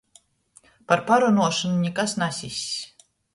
Par parunuošonu nikas nasiss.